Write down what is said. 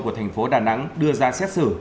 của thành phố đà nẵng đưa ra xét xử